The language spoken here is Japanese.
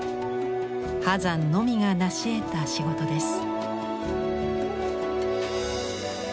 波山のみが成し得た仕事です。